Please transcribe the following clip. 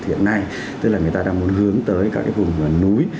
hiện nay tức là người ta đang muốn hướng tới các cái vùng núi